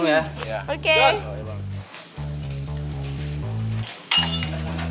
bawa ke dalam ya